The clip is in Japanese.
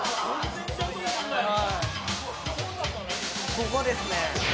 ここですね。